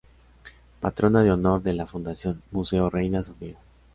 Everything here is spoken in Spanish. Patrona de honor de la Fundación Museo Reina Sofía.